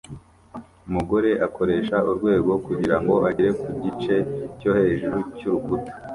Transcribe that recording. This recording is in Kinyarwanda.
Umugore akoresha urwego kugirango agere ku gice cyo hejuru cyurukuta